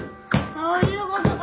そういうことか！